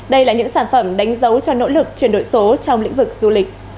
đây là những sản phẩm đánh dấu cho nỗ lực chuyển đổi số trong lĩnh vực du lịch